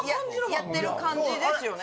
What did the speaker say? やってる感じですよね